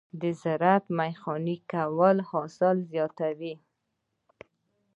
د زراعت ميخانیکي کول حاصل زیاتوي.